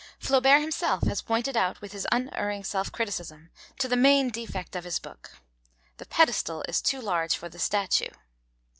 Flaubert himself has pointed, with his unerring self criticism, to the main defect of his book: 'The pedestal is too large for the statue.'